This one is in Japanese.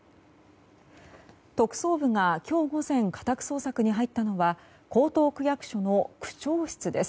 特捜部が今日午前家宅捜索に入ったのは江東区役所の区長室です。